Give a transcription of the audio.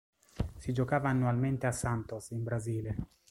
Si giocava annualmente a Santos in Brasile.